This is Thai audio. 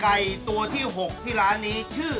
ไก่ตัวที่๖ที่ร้านนี้ชื่อ